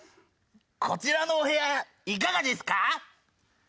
こちらのお部屋いかがですか？